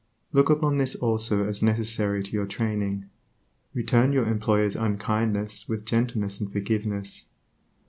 Look upon this also as necessary to your training. Return your employer's unkindness with gentleness and forgiveness.